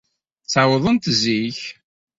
Ttawḍent zik.